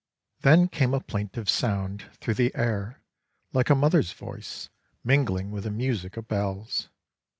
Then came a plaintive sound through the air like a mother's voice mingling with the music of bells.